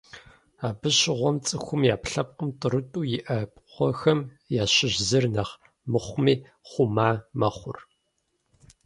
Абы щыгъуэм, цӏыхум и ӏэпкълъпкъым тӏурытӏу иӏэ пкъыгъуэхэм ящыщ зыр нэхъ мыхъуми, хъума мэхъур.